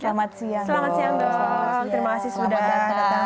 selamat siang dok terima kasih sudah datang